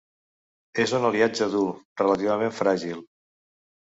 És un aliatge dur, relativament fràgil.